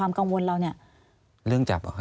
อันดับ๖๓๕จัดใช้วิจิตร